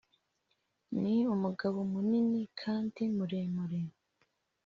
ni umugabo munini kandi muremure